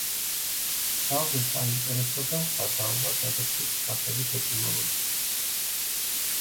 ძალზე საინტერესო და სადაოა ჯადოქრის სახელის ეტიმოლოგია.